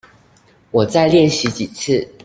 我再練習幾次